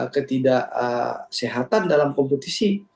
ketidaksehatan dalam kompetisi